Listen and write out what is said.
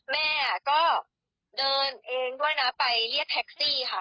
แม่ก็เดินเองด้วยนะไปเรียกแท็กซี่ค่ะ